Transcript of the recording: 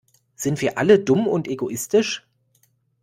Sind wir alle dumm und egoistisch?